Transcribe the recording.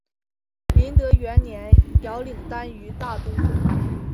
麟德元年遥领单于大都护。